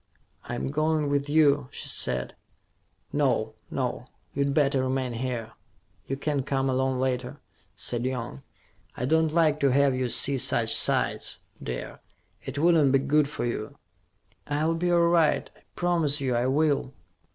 "I'm going with you," she said. "No, no. You'd better remain here: you can come along later," said Young. "I don't like to have you see such sights, dear. It wouldn't be good for you." "I'll be all right. I promise you I will."